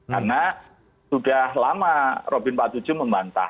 karena sudah lama robin empat puluh tujuh membantah